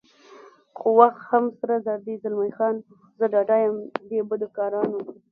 خو وخت هم سره زر دی، زلمی خان: زه ډاډه یم دې بدکارانو.